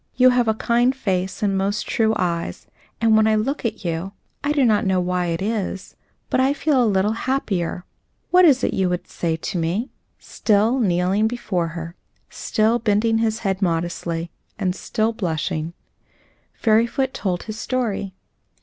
"You have a kind face and most true eyes, and when I look at you I do not know why it is, but I feel a little happier. What is it you would say to me?" Still kneeling before her, still bending his head modestly, and still blushing, Fairyfoot told his story.